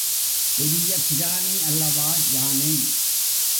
பெரிய பிராணி அல்லவா யானை?